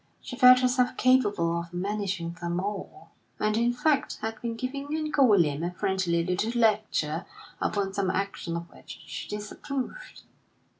She felt herself capable of managing them all, and, in fact, had been giving Uncle William a friendly little lecture upon some action of which she disapproved.